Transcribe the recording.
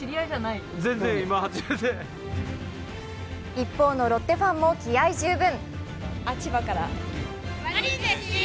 一方のロッテファンも気合い十分。